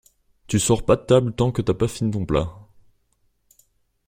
Tu sors pas de table tant que t'as pas fini ton plat.